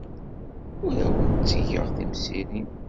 Ur awent-d-ttgeɣ timsirin.